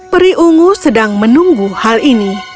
periungu sedang menunggu hal ini